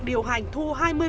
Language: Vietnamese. điều hành thu hai mươi